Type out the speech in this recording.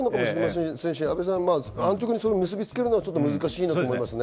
それを安直に結びつけるのは難しいなと思いますね。